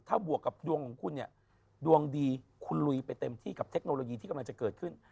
ถ้าบวกกับดวงของคุณเนี่ยดวงดีคุณลุยไปเต็มที่กับเทคโนโลยีที่กำลังจะเกิดขึ้น